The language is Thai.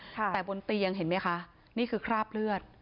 แต่บนเตียงเห็นไหมคะนี่คือคราบเลือด